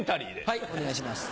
はいお願いします。